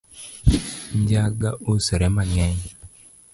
Njaga usore mang'eny